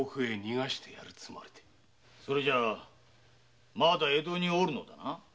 それではまだ江戸におるのだな。